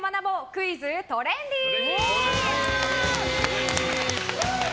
クイズ・トレンディー！